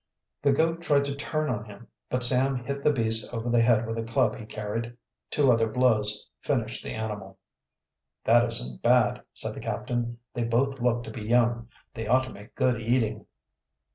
The goat tried to turn on him, but Sam hit the beast over the head with a club he carried. Two other blows finished the animal. "That isn't bad," said the captain. "They both look to be young. They ought to make good eating."